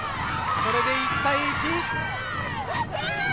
これで１対１。